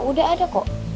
udah ada kok